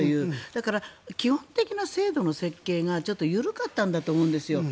だから基本的な制度の設計がちょっと緩かったんだと思うんですよ。